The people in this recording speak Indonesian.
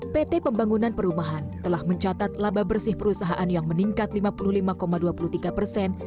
pt pembangunan perumahan telah mencatat laba bersih perusahaan yang meningkat lima puluh lima dua puluh tiga persen